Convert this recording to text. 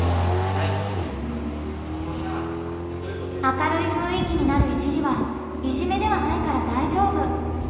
「明るいふんい気になるいじりはいじめではないから大丈夫」。